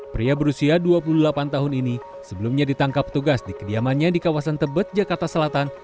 pria berusia dua puluh delapan tahun ini sebelumnya ditangkap petugas di kediamannya di kawasan tebet jakarta selatan